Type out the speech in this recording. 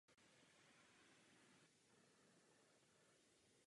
Sídlem nové diecéze se stal Winchester ležící velmi blízko k hranici Sussexu.